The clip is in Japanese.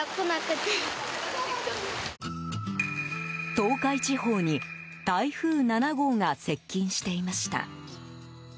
東海地方に台風７号が接近していました。